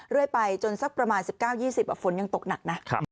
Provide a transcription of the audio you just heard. เรื่อยไปจนสักประมาณ๑๙๒๐ฝนยังตกหนักนะ